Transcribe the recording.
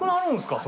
それ。